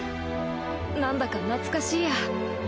なんだか懐かしいや